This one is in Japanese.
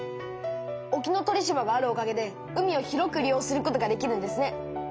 沖ノ鳥島があるおかげで海を広く利用することができるんですね。